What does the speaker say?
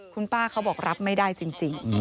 คุณป้าเขาบอกรับไม่ได้จริง